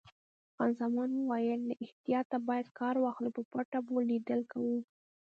خان زمان وویل: له احتیاطه باید کار واخلو، په پټه به لیدل کوو.